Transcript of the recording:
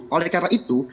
oleh karena itu